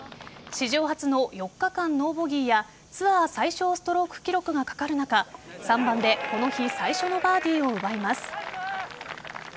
史上初の４日間ノーボギーやツアー最少ストローク記録がかかる中３番でこの日最初のバーディーを奪います。